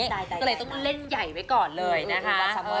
ก็เลยต้องเล่นใหญ่ไว้ก่อนเลยนะคะ